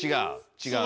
違う？